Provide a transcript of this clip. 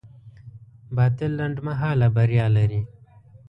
باطل لنډمهاله بریا لري.